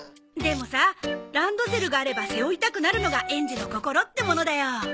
でもさランドセルがあれば背負いたくなるのが園児の心ってものだよ。